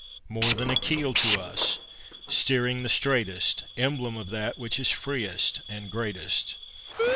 More than a keel to us, steering the straightest: Emblem of that which is freest and greatest.